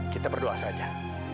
kita berdoa saja